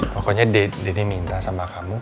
pokoknya didi minta sama kamu